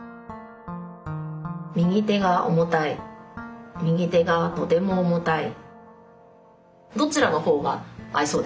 右手が重たい右手がとても重たい。